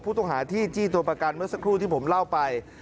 ผู้ต้องหาที่จี้ตัวประกันเมื่อสักครู่ที่ผมเล่าไป